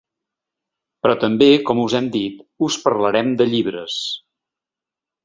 Però també, com us hem dit, us parlarem de llibres.